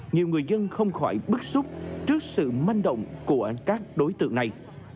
nhiều người dân không khỏi bức xúc trước sự manh động của các đối tượng này